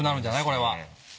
これは。